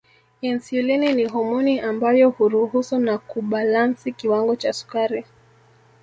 Insulini ni homoni ambayo huruhusu na kubalansi kiwango cha sukari